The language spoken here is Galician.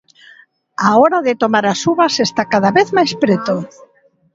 A hora de tomar as uvas está cada vez máis preto.